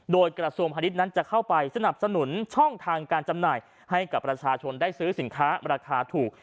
โดยกระทรวงพาณิชย์นั้นจะเข้าไปสนับสนุนช่องทางการจำหน่ายให้กับประชาชนได้ซื้อสินค้าราคาถูก